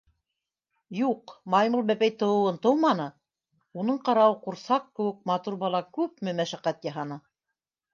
Юҡ, маймыл-бәпәй тыуыуын тыуманы, уның ҡарауы ҡурсаҡ кеүек матур бала күпме мәшәҡәт яһаны...